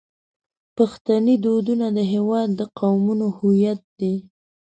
پښتني دودونه د هیواد د قومونو هویت دی.